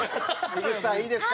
口さんいいですか？